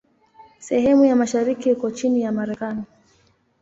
Sehemu ya mashariki iko chini ya Marekani.